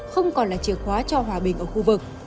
không còn là chìa khóa cho hòa bình ở khu vực